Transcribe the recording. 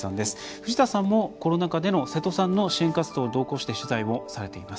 藤田さんも、コロナ禍での瀬戸さんの支援活動、同行して取材されております。